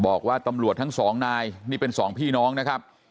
บอกว่าตำรวจทั้งสองนายนี่เป็นสองพี่น้องนะครับ